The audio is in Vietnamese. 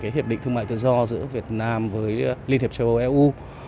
cái hiệp định thương mại tự do giữa việt nam với liên hiệp châu âu eu